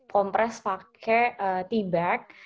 compress pakai tea bag